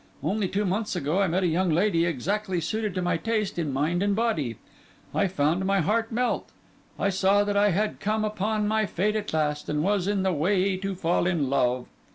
Only two months ago I met a young lady exactly suited to my taste in mind and body; I found my heart melt; I saw that I had come upon my fate at last, and was in the way to fall in love.